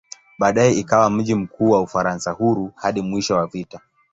Baadaye ikawa mji mkuu wa "Ufaransa Huru" hadi mwisho wa vita.